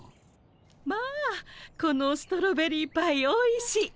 まあこのストロベリーパイおいしい。